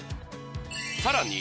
さらに